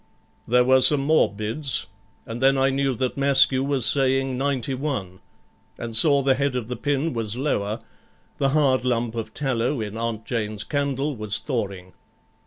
There were some more bids, and then I knew that Maskew was saying 91, and saw the head of the pin was lower; the hard lump of tallow in Aunt Jane's candle was thawing.